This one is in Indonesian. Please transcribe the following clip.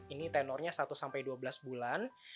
ini tenornya satu sampai dua belas bulan